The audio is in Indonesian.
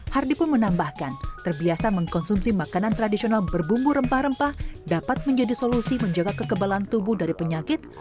hardi pun menambahkan terbiasa mengkonsumsi makanan tradisional berbumbu rempah rempah dapat menjadi solusi menjaga kekebalan tubuh dari penyakit